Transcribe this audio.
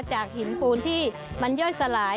จากหินปูนที่มันย่อยสลาย